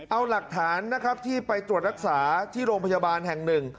เอาหลักฐานนะครับที่ไปตรวจรักษาที่โรงพยาบาลแห่งหนึ่ง